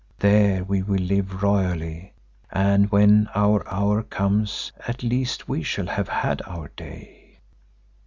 There we will live royally and when our hour comes, at least we shall have had our day."